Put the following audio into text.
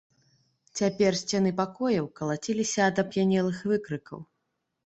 Цяпер сцены пакояў калаціліся ад ап'янелых выкрыкаў.